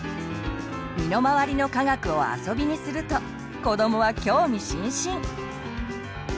身のまわりの科学をあそびにすると子どもは興味津々！